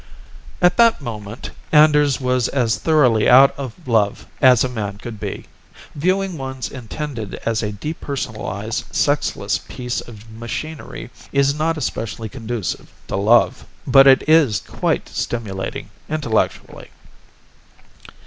At that moment Anders was as thoroughly out of love as a man could be. Viewing one's intended as a depersonalized, sexless piece of machinery is not especially conducive to love. But it is quite stimulating, intellectually.